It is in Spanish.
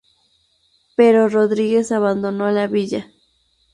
Pero Rodríguez abandonó la Villa.